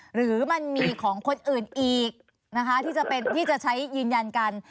หรือมันมีของคนอื่นอีกนะคะที่จะใช้ยืนยันกัน